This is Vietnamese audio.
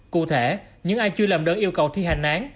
cụ thể những ai chưa làm đơn yêu cầu thi hành án